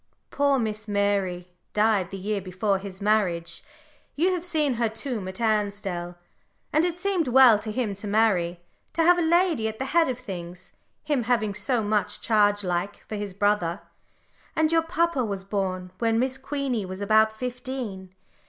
Poor Miss Mary died the year before his marriage; you have seen her tomb at Ansdell, and it seemed well to him to marry, to have a lady at the head of things, him having so much charge like, for his brother. And your papa was born when Miss Queenie was about fifteen.